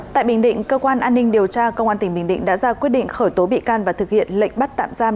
tại bình định cơ quan an ninh điều tra công an tỉnh bình định đã ra quyết định khởi tố bị can và thực hiện lệnh bắt tạm giam